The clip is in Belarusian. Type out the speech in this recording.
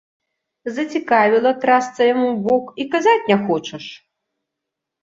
Зацікавіла, трасца яму ў бок, і казаць не хочаш!